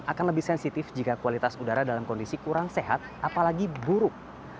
akan lebih sensitif jika kualitas udara dalam kondisi kurang sehat apalagi buruk